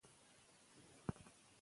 که موږ په ګډه کار وکړو نو ستونزې حلیږي.